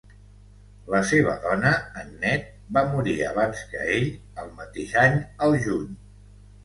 La seva dona, Annette, va morir abans que ell, el mateix any al juny.